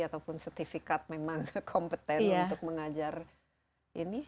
ataupun sertifikat memang kompeten untuk mengajar ini